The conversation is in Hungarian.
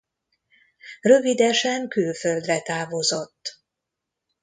Rövidesen külföldre távozott.